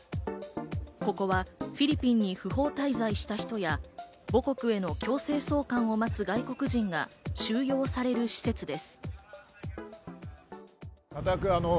ここは、フィリピンに不法滞在したい人や、母国への強制送還を待つ外国人が収容される施設です。